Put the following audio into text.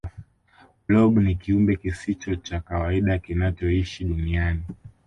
blob ni kiumbe kisicho cha kawaida kinachoishi duniani